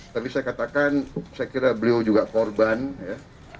tapi saya katakan saya kira beliau juga korban ya